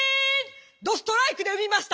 どストライクで産みました。